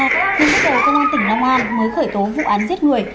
nhưng bước đầu công an tỉnh long an mới khởi tố vụ án giết người